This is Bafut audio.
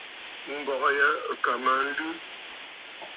Ǹgɔ̀ʼɔ̀ ya ɨ̀ kà mə aa nlɨ.